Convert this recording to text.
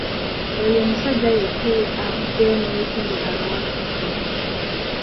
Oyo ye musajja yekka avuddeyo ne yeetondera abawagizi be.